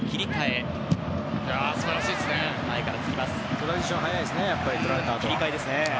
トランジションが早いですねとられたあと。